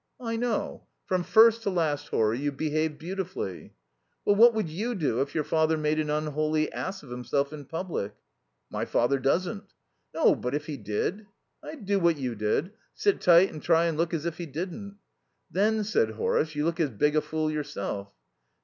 "I know. From first to last, Horry, you behaved beautifully." "Well, what would you do if your father made an unholy ass of himself in public?" "My father doesn't." "No, but if he did?" "I'd do what you did. Sit tight and try and look as if he didn't." "Then," said Horace, "you look as big a fool yourself."